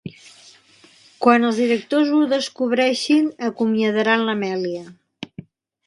Quan els directors ho descobreixin, acomiadaran l'Amelia.